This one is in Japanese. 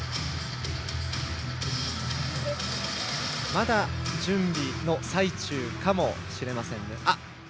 まだ準備の最中かもしれません。